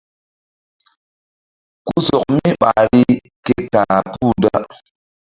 Ku sɔk mi ɓahri ke ka̧h puh da.